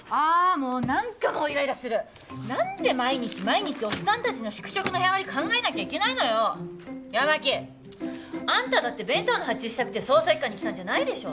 もう何かもうイライラする何で毎日毎日おっさん達の宿直の部屋割り考えなきゃいけないのよ八巻あんただって弁当の発注したくて捜査一課に来たんじゃないでしょ